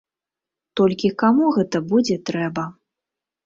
Толькі каму гэта будзе трэба?